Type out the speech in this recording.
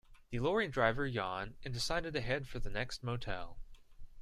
The lorry driver yawned and decided to head for the next motel.